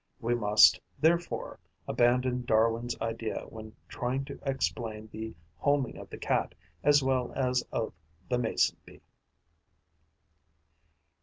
We must, therefore, abandon Darwin's idea when trying to explain the homing of the Cat as well as of the Mason bee.